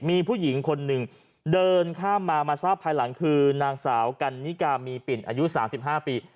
มีผู้หญิงคนหนึ่งเดินข้ามมามาทราบภายหลังคือนางสาวกันนิกามีปิ่นอายุ๓๕ปี